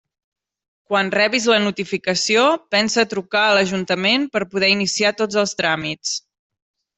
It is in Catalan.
Quan rebis la notificació, pensa a trucar a l'ajuntament per poder iniciar tots els tràmits.